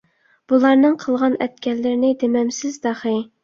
بۇلارنىڭ قىلغان - ئەتكەنلىرىنى دېمەمسىز تېخى.